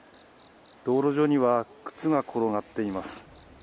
道路上には靴が転がっています。